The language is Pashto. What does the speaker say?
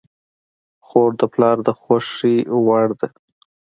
خور د پلار د خوښې وړ ده.